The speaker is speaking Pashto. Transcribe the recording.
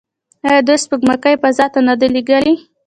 آیا دوی سپوږمکۍ فضا ته نه دي لیږلي؟